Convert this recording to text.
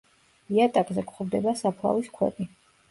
იატაკზე გვხვდება საფლავის ქვები.